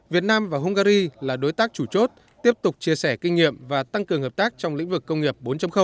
việt nam và hungary là đối tác chủ chốt tiếp tục chia sẻ kinh nghiệm và tăng cường hợp tác trong lĩnh vực công nghiệp bốn